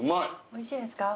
おいしいですか。